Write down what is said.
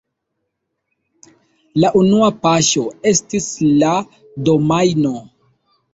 La unua paŝo estis la domajno.